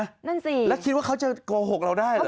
นั่นสิแล้วคิดว่าเขาจะโกหกเราได้เหรอ